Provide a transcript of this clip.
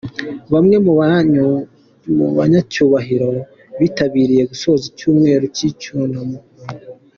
Bamwe mu banyacyubahiro bitabiriye gusoza icyumweru cy'icyunamo.